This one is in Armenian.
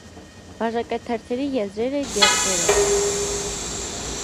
Բաժակաթերթերի եզրերը գեղձերով են։